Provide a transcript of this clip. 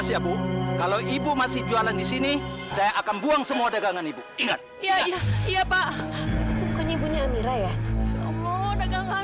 sampai jumpa di video selanjutnya